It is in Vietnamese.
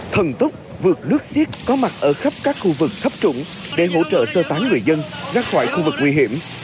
thần tốc vượt nước xiết có mặt ở khắp các khu vực thấp trũng để hỗ trợ sơ tán người dân ra khỏi khu vực nguy hiểm